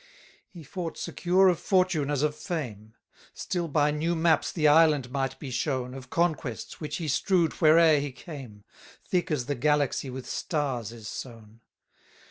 14 He fought secure of fortune as of fame: Still by new maps the island might be shown, Of conquests, which he strew'd where'er he came, Thick as the galaxy with stars is sown.